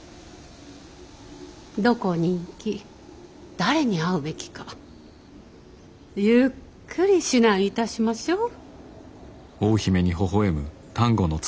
どこに行き誰に会うべきかゆっくり指南いたしましょう。